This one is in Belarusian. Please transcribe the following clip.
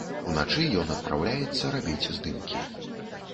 Уначы ён адпраўляецца рабіць здымкі.